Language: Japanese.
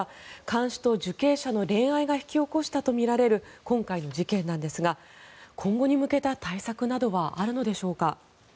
看守と受刑者の恋愛が引き起こしたとみられる今回の事件なんですが今後に向けた対策などはあるのでしょうか。